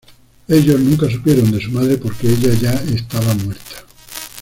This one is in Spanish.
Ellos nunca supieron de su madre porque ella ya está muerta.